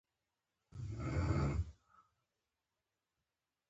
اقتصادي ډیپلوماسي د سیاسي اقتصاد او سوداګریزې ډیپلوماسي سره ګډې مفکورې لري